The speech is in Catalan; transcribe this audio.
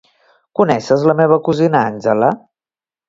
Coneixes la meva cosina Angela?